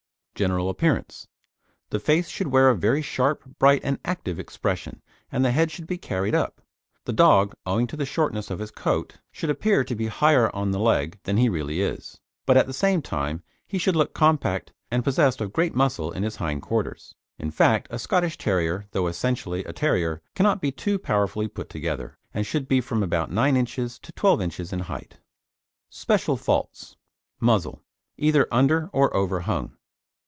GENERAL APPEARANCE The face should wear a very sharp, bright and active expression, and the head should be carried up. The dog (owing to the shortness of his coat) should appear to be higher on the leg than he really is; but at the same time he should look compact and possessed of great muscle in his hind quarters. In fact, a Scottish Terrier, though essentially a terrier, cannot be too powerfully put together, and should be from about 9 inches to 12 inches in height. SPECIAL FAULTS: MUZZLE Either under or over hung.